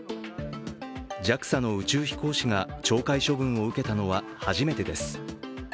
ＪＡＸＡの宇宙飛行士が懲戒処分を受けたのは初めてです。